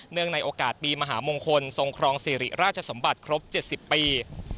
ในโอกาสปีมหามงคลทรงครองสิริราชสมบัติครบ๗๐ปี